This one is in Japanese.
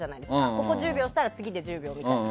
ここ１０秒したら次で１０秒みたいな。